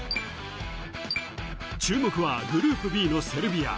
注目はグループＢのセルビア。